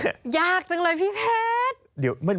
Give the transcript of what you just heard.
ยากจังเลยพี่เพชร